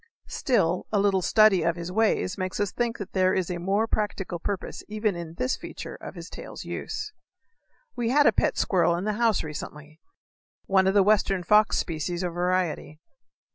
Still, a little study of his ways may make us think that there is a more practical purpose even in this feature of his tail's use. We had a pet squirrel in the house recently one of the western fox species or variety.